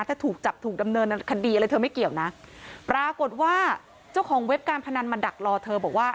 ถ้าถูกจับถูกดำเนินคดีอะไรเธอไม่เกี่ยวนะปรากฏว่าเจ้าของเว็บการพนันมาดักรอเธอบอกว่า